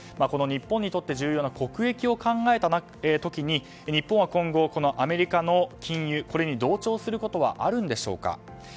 日本にとって重要な国益を考えた時に日本はアメリカの禁輸に同調することはあるんでしょうか。